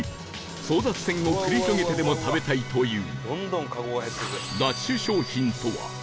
争奪戦を繰り広げてでも食べたいという